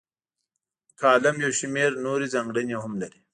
کالم یو شمیر نورې ځانګړنې هم لري.